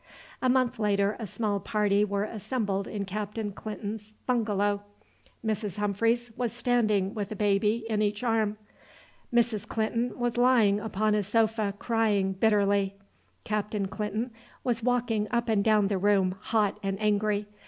A month later a small party were assembled in Captain Clinton's bungalow. Mrs. Humphreys was standing with a baby in each arm. Mrs. Clinton was lying upon a sofa crying bitterly. Captain Clinton was walking up and down the room, hot and angry.